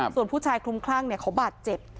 ส่วนผู้ชายคลุมคลั่งเขาบาดเจ็บ